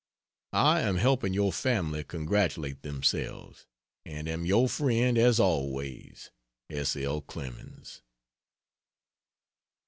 I am helping your family congratulate themselves, and am your friend as always. S. L. CLEMENS.